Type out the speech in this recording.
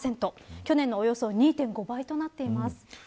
去年のおよそ２．５倍となっています。